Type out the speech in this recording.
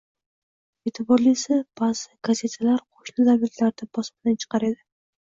E’tiborlisi – ba’zi gazetalar qo‘shni davlatlarda bosmadan chiqar edi.